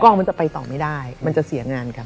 กล้องมันจะไปต่อไม่ได้มันจะเสียงานกัน